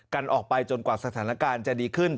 กันออกไปจนกว่าสถานการณ์จะดีขึ้น